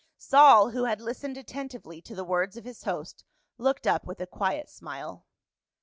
Saul who had listened attentively to the words of his host, looked up with a quiet smile.